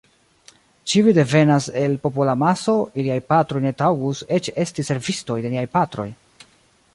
Ĉiuj devenas el popolamaso, iliaj patroj ne taŭgus eĉ esti servistoj de niaj patroj.